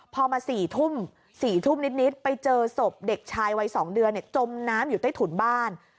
พอมา๔ทุ่ม๔ทุ่มนิดไปเจอศพเด็กชายวัย๒เดือนจมน้ำอยู่ใต้ถุนบ้าน